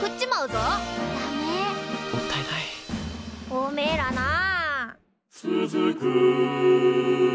おめえらなあ。